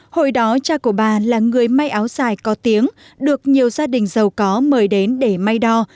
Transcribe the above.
hồi đó cha của bà là người may áo dài có tiếng được nhiều gia đình giàu có mời đến để may đo